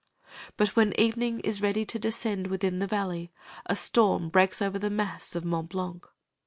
But when evening is ready to descend within the valley, a storm breaks over the mass of Mont Blanc.